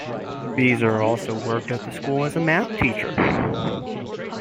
Bieser also worked at the school as a math teacher.